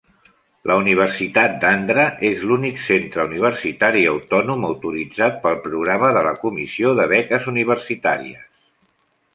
La Universitat d'Andhra és l'únic centre universitari autònom autoritzat pel programa de la "Comissió de Beques Universitàries".